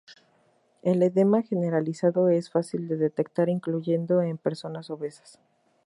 El edema generalizado es fácil de detectar, incluyendo en personas obesas.